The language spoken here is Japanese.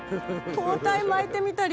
包帯巻いてみたり。